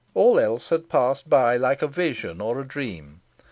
All else had passed by like a vision or a dream.